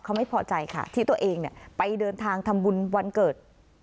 เขาไม่พอใจค่ะที่ตัวเองไปเดินทางทำบุญวันเกิด